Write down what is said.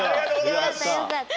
よかったよかった。